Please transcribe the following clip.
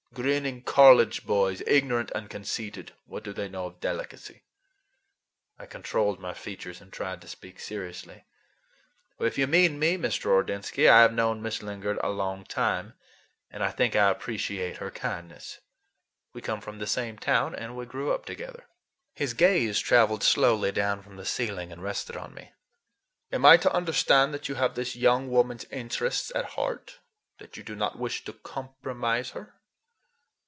Grinning college boys, ignorant and conceited, what do they know of delicacy!" I controlled my features and tried to speak seriously. "If you mean me, Mr. Ordinsky, I have known Miss Lingard a long time, and I think I appreciate her kindness. We come from the same town, and we grew up together." His gaze traveled slowly down from the ceiling and rested on me. "Am I to understand that you have this young woman's interests at heart? That you do not wish to compromise her?"